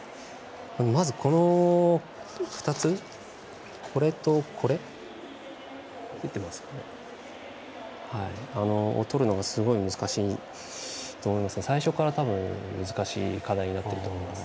まず、この２つをとるのがすごい難しいと思うんですけど最初から難しい課題になっていると思います。